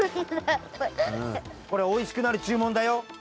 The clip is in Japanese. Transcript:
これおいしくなるじゅもんだよ。